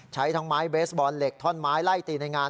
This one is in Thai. ใช้ทั้งไม้เบสบอลเหล็กท่อนไม้ไล่ตีในงาน